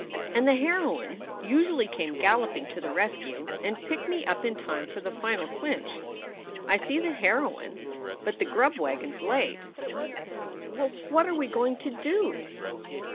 And the heroine usually came galloping to the rescue and picked me up in time for the final clinch. I see the heroine, but the grub wagon s late." "Wh what are we going to do?"